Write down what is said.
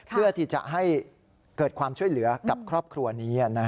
เพื่อที่จะให้เกิดความช่วยเหลือกับครอบครัวนี้